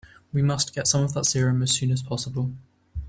We must get some of that serum as soon as possible.